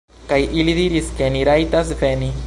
kaj ili diris, ke ni rajtas veni